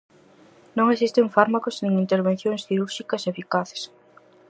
Non existen fármacos nin intervencións cirúrxicas eficaces.